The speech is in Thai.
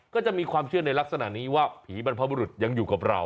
ก็จะมีความเชื่อในลักษณะนี้ว่าผีบรรพบุรุษยังอยู่กับเรา